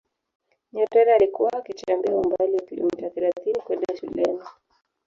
nyerere alikuwa akitembea umbali wa kilometa thelathini kwenda shuleni